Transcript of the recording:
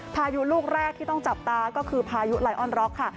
พายุลูกแรกที่ต้องจับตาก็คือพายุไลออนร็อกค่ะ